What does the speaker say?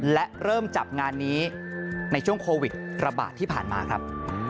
และเริ่มจับงานนี้ในช่วงโควิดระบาดที่ผ่านมาครับ